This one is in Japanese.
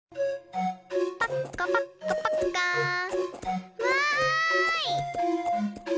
パッカパッカパッカー。わい！